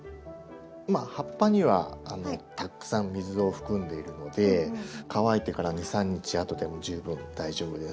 葉っぱにはたくさん水を含んでいるので乾いてから２３日あとでも十分大丈夫です。